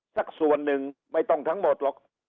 สักส่วนหนึ่งไม่ต้องทั้งหมดหรอก